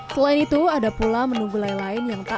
selain itu ada pula menu gulai lain yang tak